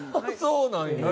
そうなんや。